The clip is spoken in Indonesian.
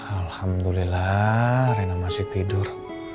alhamdulillah rena masih tidur